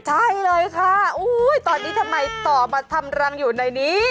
ใช่เลยค่ะตอนนี้ทำไมต่อมาทำรังอยู่ในนี้